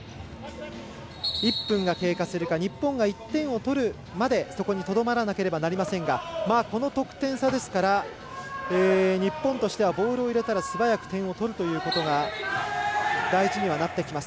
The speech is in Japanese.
１分が経過するか日本が１点を取るまでそこにとどまらなければなりませんがこの得点差ですから日本としてはボールを入れたら素早く点を取るということが大事にはなってきます。